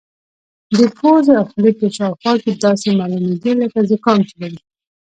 د پوزې او خولې په شاوخوا کې داسې معلومېده لکه زکام چې لري.